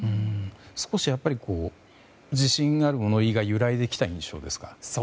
少し、自信がある物言いが揺らいできた印象ですが。